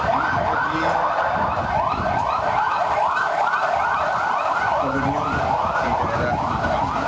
ini ada di kolonialnya di daerah kintamani di daerah kampang